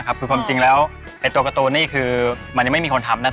ครับไม่เวิร์คมันมีปัญหา